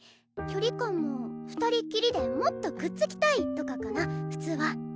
距離感も二人っきりでもっとくっつきたいとかかな普通は。